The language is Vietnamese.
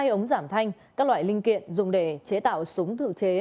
hai ống giảm thanh các loại linh kiện dùng để chế tạo súng tự chế